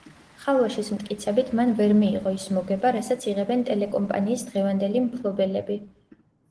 ხალვაშის მტკიცებით, მან ვერ მიიღო ის მოგება, რასაც იღებენ ტელეკომპანიის დღევანდელი მფლობელები.